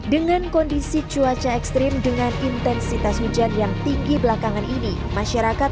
dengan kondisi cuaca ekstrim dengan intensitas hujan yang tinggi belakangan ini masyarakat